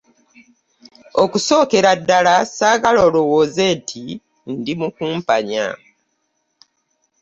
Okusookera ddala ssaagala olowooze nti ndi mukumpanya.